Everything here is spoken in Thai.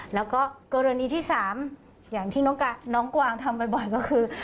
แล้วก็กรณีที่๓อย่างที่น้องกวางทำบ่อยก็คือ